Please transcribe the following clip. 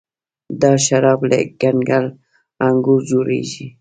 دا شراب له کنګل انګورو جوړیږي.